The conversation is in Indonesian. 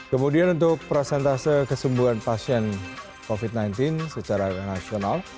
kemudian untuk prosentase kesembuhan pasien covid sembilan belas secara nasional